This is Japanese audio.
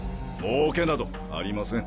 儲けなどありません。